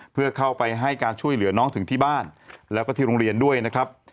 เพื่อเข้าไปให้การช่วยเหลือน้องถึงที่บ้านแล้วก็ที่โรงเรียนด้วยนะครับ